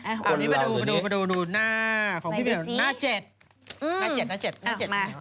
เอาอันนี้มาดูหน้าเจ็ดหน้าเจ็ดมา๙๐๐๐๐๑๙๑๐๐๑๙๒๐๐๑๙๓๐๐๑๙๔